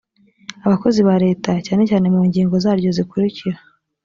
abakozi ba leta cyane cyane mu ngingo zaryo zikurikira: